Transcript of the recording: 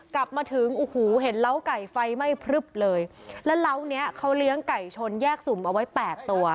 กลับมาถึงโอ้โหเห็นเล้าไก่ไฟไหม้พลึบเลยแล้วเล้าเนี้ยเขาเลี้ยงไก่ชนแยกสุ่มเอาไว้แปดตัว